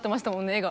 絵が。